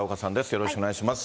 よろしくお願いします。